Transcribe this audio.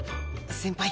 先輩。